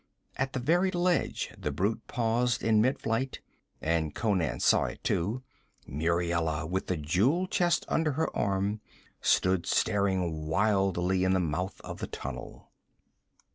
At the very ledge the brute paused in mid flight and Conan saw it too Muriela, with the jewel chest under her arm, stood staring wildly in the mouth of the tunnel.